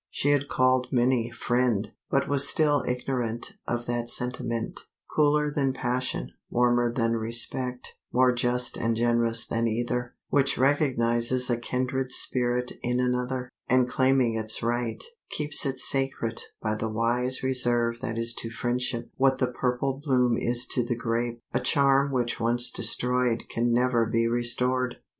She had called many "friend," but was still ignorant of that sentiment, cooler than passion, warmer than respect, more just and generous than either, which recognizes a kindred spirit in another, and claiming its right, keeps it sacred by the wise reserve that is to friendship what the purple bloom is to the grape, a charm which once destroyed can never be restored.